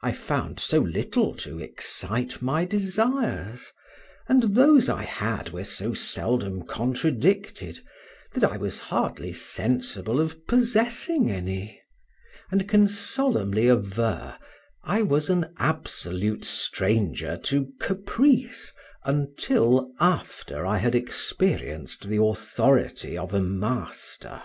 I found so little to excite my desires, and those I had were so seldom contradicted, that I was hardly sensible of possessing any, and can solemnly aver I was an absolute stranger to caprice until after I had experienced the authority of a master.